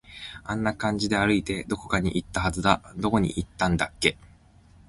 あんな感じで歩いて、どこかに行ったはずだ。どこに行ったんだっけ